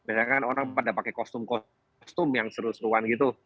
biasanya kan orang pada pakai kostum kostum yang seru seruan gitu